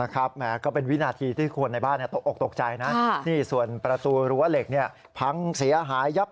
ก็ไม่กล้ามองเขาดึงแบบแรงมากเลย